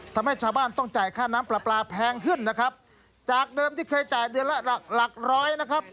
ทำให้ชาวบ้านต้องจ่ายค่าน้ำปลาปลาแพงขึ้นนะครับจากเดิมที่เคยจ่ายเดือนละหลักหลักร้อยนะครับ